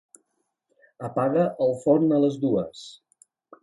Apaga el forn a les dues.